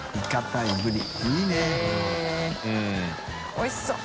おいしそう。